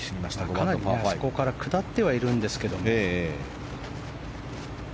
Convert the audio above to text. かなりあそこから下ってはいるんですけど。